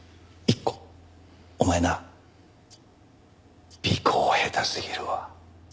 お前な尾行下手すぎるわ。